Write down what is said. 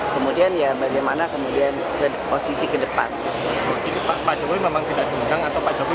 kemudian ya bagaimana kemudian posisi ke depan pak jokowi memang tidak diundang atau pak jokowi